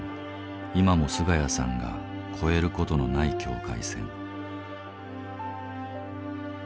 今も菅家さんが越える事のない境界線。